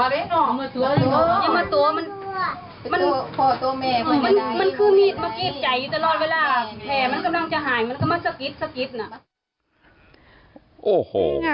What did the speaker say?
แผลมันกำลังจะหายมันกำลังจะสะกิดสะกิดนะ